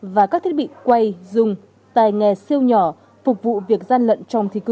và các thiết bị quay dùng tài nghề siêu nhỏ phục vụ việc gian lận trong thi công